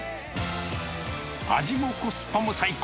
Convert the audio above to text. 味もコスパも最高。